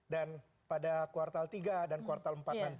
dan pada kuartal tiga dan kuartal empat